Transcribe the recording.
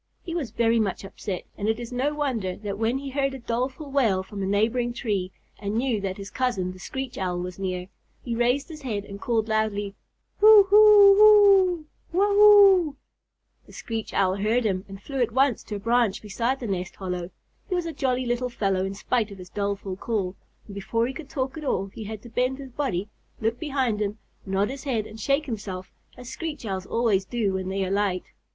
He was very much upset, and it is no wonder that when he heard a doleful wail from a neighboring tree, and knew that his cousin, the Screech Owl, was near, he raised his head and called loudly, "Hoo hoo oooo! Waugh hoo!" The Screech Owl heard him and flew at once to a branch beside the nest hollow. He was a jolly little fellow in spite of his doleful call, and before he could talk at all he had to bend his body, look behind him, nod his head, and shake himself, as Screech Owls always do when they alight.